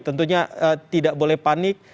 tentunya tidak boleh panik